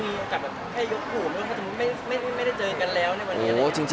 แล้วถ่ายละครมันก็๘๙เดือนอะไรอย่างนี้